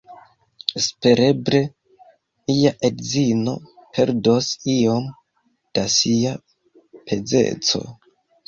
Espereble, mia edzino perdos iom da sia pezeco